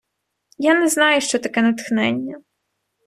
Я не знаю, що таке натхнення.